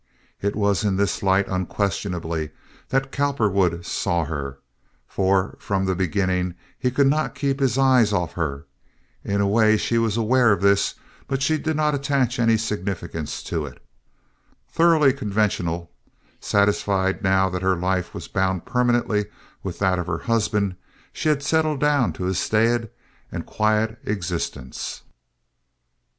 It was in this light, unquestionably, that Cowperwood saw her, for from the beginning he could not keep his eyes off her. In a way, she was aware of this but she did not attach any significance to it. Thoroughly conventional, satisfied now that her life was bound permanently with that of her husband, she had settled down to a staid and quiet existence.